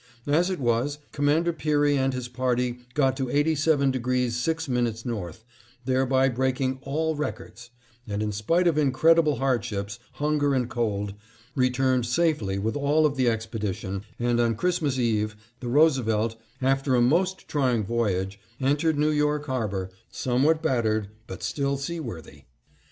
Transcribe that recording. As it was, Commander Peary and his party got to 87° 6' north, thereby breaking all records, and in spite of incredible hardships, hunger and cold, returned safely with all of the expedition, and on Christmas Eve the Roosevelt, after a most trying voyage, entered New York harbor, somewhat battered but still seaworthy.